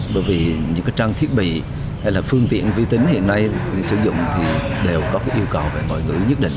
bởi vì những trang thiết bị hay là phương tiện vi tính hiện nay sử dụng thì đều có yêu cầu về ngọi ngữ nhất định